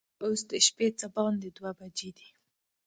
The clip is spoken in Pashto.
اوس د شپې څه باندې دوه بجې دي.